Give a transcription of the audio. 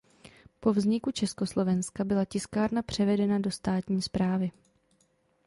Po vzniku Československa byla tiskárna převedena do státní správy.